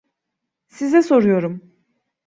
Size soruyorum.